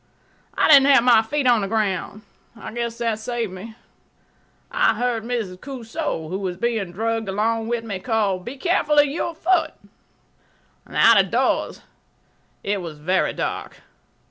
I didn't have my feet on the ground. I guess that saved me. I heard Mrs. Cosu, who was being dragged along with me, call, "Be careful of your foot." Out of doors it was very dark.